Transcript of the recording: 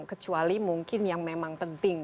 kecuali mungkin yang memang penting